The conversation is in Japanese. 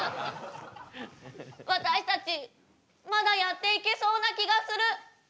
私たちまだやっていけそうな気がする。